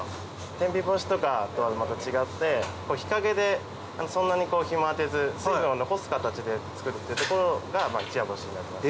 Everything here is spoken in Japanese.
天日干しとかとはまた違って日陰でそんなに日も当てず水分を残す形で作ってるところが一夜干しになります。